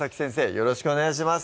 よろしくお願いします